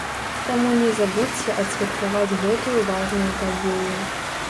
Таму не забудзьце адсвяткаваць гэтую важную падзею!